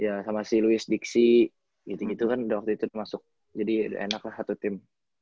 iya sama si louis dixie gitu gitu kan udah waktu itu masuk jadi udah enak lah satu tim